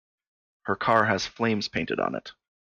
Her car has flames painted on it.